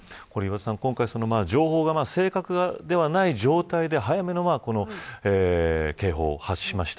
今回、情報が正確ではない状態で早めの警報を発しました。